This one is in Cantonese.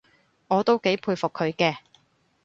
我都幾佩服佢嘅